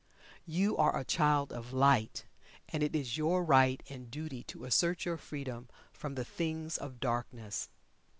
You are a Child of Light, and it is your right and duty to assert your freedom from the things of darkness.